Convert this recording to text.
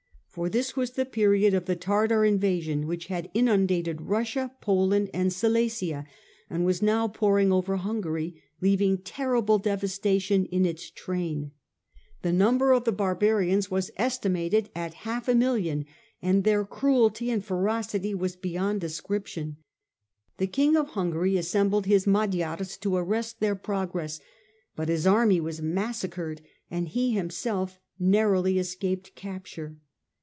For this was the period of the Tartar invasion, which had inundated Russia, Poland and Silesia and was now pouring over Hungary, leaving terrible devastation in its train. The number of FIRE AND SWORD 187 the barbarians was estimated at half a million and their cruelty and ferocity were beyond description. The King of Hungary assembled his Magyars to arrest their pro gress, but his army was massacred and he himself narrowly escaped capture.